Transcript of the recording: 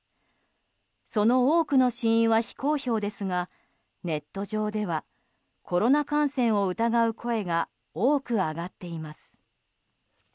その多くの死因は非公表ですがネット上ではコロナ感染を疑う声が多く上がっています。